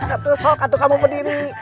aku mau kamu berdiri